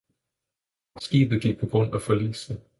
Skibet gik på grund og forliste.